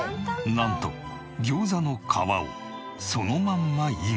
なんと餃子の皮をそのまんまイン。